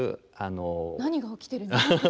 何が起きてるのか？